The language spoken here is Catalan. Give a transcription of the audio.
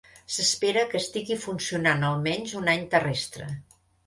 S'espera que estigui funcionant almenys un any terrestre.